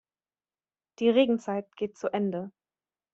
Die Regenzeit geht zu Ende.